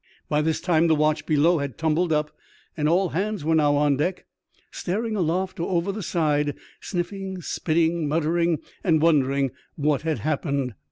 By this time the watch below had tumbled up and all hands were now on deck, staring aloft or over the side, sniffing, spitting, mutter ing, and wondering what had happened.